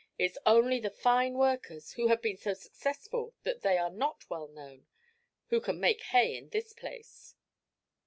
It's only the fine workers, who have been so successful that they are not well known, who can make hay in this place.'